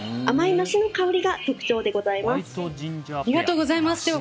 甘い梨の香りが特徴でございます。